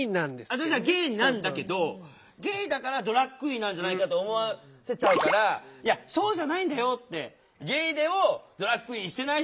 私はゲイなんだけどゲイだからドラァグクイーンなんじゃないかと思わせちゃうからいやそうじゃないんだよって。